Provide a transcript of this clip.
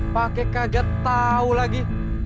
pakai kaget tau lagi